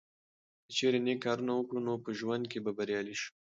که چیرې نیک کارونه وکړو نو په ژوند کې به بریالي شو.